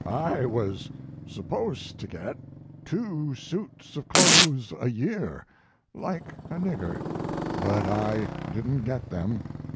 "I was supposed to get two suits of clothes a year, like a nigger, but I didn't get them.